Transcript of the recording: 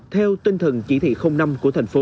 theo tinh thần chỉ thị năm của thành phố